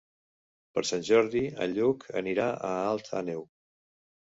Per Sant Jordi en Lluc anirà a Alt Àneu.